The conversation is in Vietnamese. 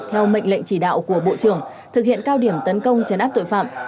theo mệnh lệnh chỉ đạo của bộ trưởng thực hiện cao điểm tấn công chấn áp tội phạm